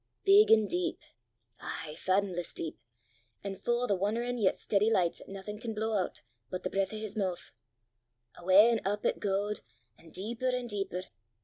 big an' deep, ay faddomless deep, an' fu' o' the wan'erin' yet steady lichts 'at naething can blaw oot, but the breath o' his moo'! Awa' up an' up it gaed, an' deeper an' deeper!